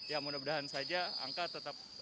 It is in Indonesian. ya mudah mudahan saja angka tetap